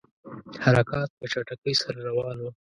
حرکات په چټکۍ سره روان وه.